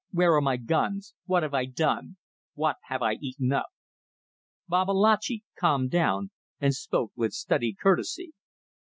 Where are my guns? What have I done? What have I eaten up?" Babalatchi calmed down, and spoke with studied courtesy.